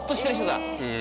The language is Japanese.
うん。